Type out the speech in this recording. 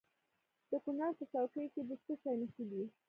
د کونړ په څوکۍ کې د څه شي نښې دي؟